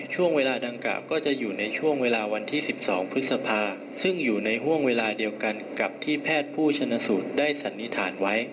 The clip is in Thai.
ช่วงเวลาดังกล่าก็จะอยู่ในช่วงเวลาวันที่๑๒พฤษภาซึ่งอยู่ในห่วงเวลาเดียวกันกับที่แพทย์ผู้ชนะสูตรได้สันนิษฐานไว้